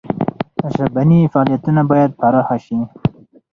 ژبني فعالیتونه باید پراخ سي.